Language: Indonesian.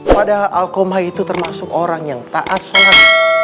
padahal alkomah itu termasuk orang yang taat sholat